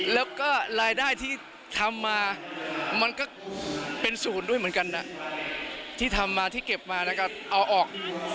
แล้วก็รายได้ที่ทำมามันก็เป็นศูนย์ด้วยเหมือนกันนะที่ทำมาที่เก็บมานะครับเอาออก